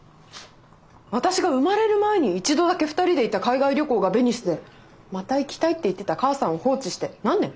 私が生まれる前に一度だけ２人で行った海外旅行がベニスでまた行きたいって言ってた母さんを放置して何年？